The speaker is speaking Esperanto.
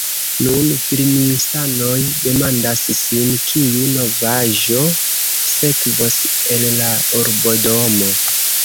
Nun vilniusanoj demandas sin, kiu novaĵo sekvos el la urbodomo.